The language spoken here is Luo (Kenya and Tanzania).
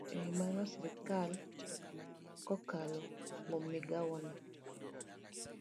E wi mano, sirkal kokalo kuom migawone